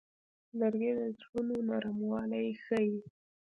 لرګی د زړونو نرموالی ښيي.